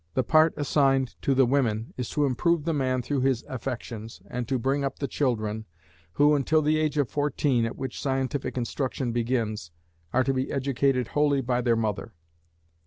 The part assigned to the women is to improve the man through his affections, and to bring up the children, who, until the age of fourteen, at which scientific instruction begins, are to be educated wholly by their mother.